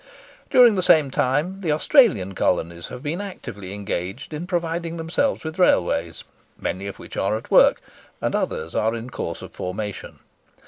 During the same time the Australian Colonies have been actively engaged in providing themselves with railways, many of which are at work, and others are in course of formation.